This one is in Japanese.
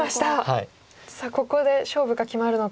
さあここで勝負が決まるのか。